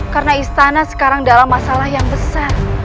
karena istana sekarang dalam masalah yang besar